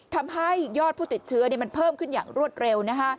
ทำให้ยอดผู้ติดเชื้อมันเพิ่มขึ้นอย่างรวดเร็ว